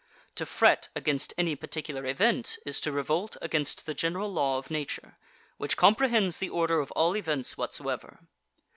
To fret against any particular event is to revolt against the general law of Nature, which comprehends the order of all events whatsoever.